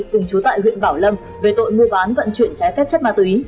cùng chú tại huyện bảo lâm về tội mua bán vận chuyển trái phép chất ma túy